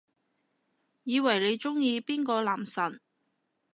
以為你鍾意邊個男神